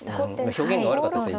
表現が悪かったですね。